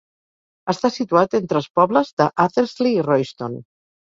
Està situat entre els pobles de Athersley i Royston.